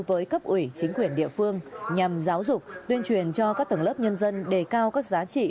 với cấp ủy chính quyền địa phương nhằm giáo dục tuyên truyền cho các tầng lớp nhân dân đề cao các giá trị